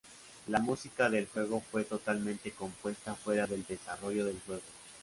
La música del juego fue totalmente compuesta fuera del desarrollo del juego.